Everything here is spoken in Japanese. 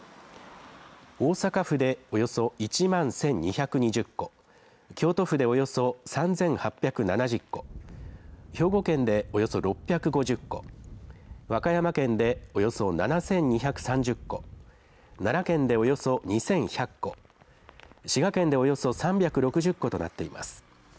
大阪府でおよそ１万１２２０戸、京都府でおよそ３８７０戸、兵庫県でおよそ６５０戸、和歌山県でおよそ７２３０戸、奈良県でおよそ２１００戸、滋賀県でおよそ３６０戸となっています。